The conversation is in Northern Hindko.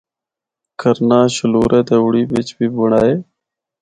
کرناہ، شلورہ تے اوڑی بچ بھی بنڑائے۔